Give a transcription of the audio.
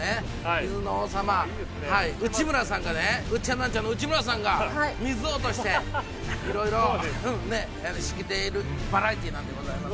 水の王様、ウッチャンナンチャンの内村さんが水王としていろいろ仕切っているバラエティーでございます。